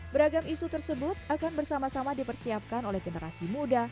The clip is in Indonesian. beragam isu tersebut akan bersama sama dipersiapkan oleh generasi muda